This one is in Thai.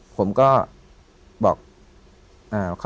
ผมก็บอก